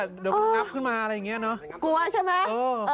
เดี๋ยวมันงับขึ้นมาอะไรอย่างเงี้เนอะกลัวใช่ไหม